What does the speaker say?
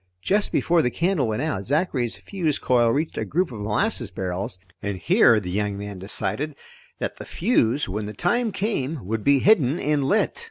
Just before the candle went out, Zachary's fuse coil reached a group of molasses barrels, and here the young man decided that the fuse, when the time came, would be hidden and lit.